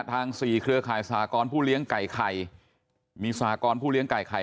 สี่เครือข่ายสหกรผู้เลี้ยงไก่ไข่มีสากรผู้เลี้ยงไก่ไข่